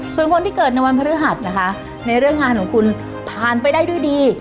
ส่วนคนที่เกิดในวันพฤหัสนะคะในเรื่องงานของคุณผ่านไปได้ด้วยดี